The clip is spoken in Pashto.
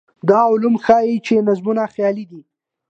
دا علوم ښيي چې نظمونه خیالي دي.